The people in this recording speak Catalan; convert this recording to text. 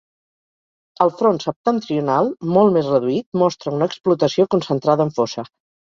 El front septentrional, molt més reduït, mostra una explotació concentrada en fossa.